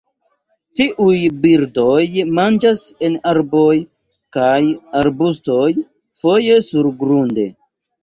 Tiuj birdoj manĝas en arboj kaj arbustoj, foje surgrunde.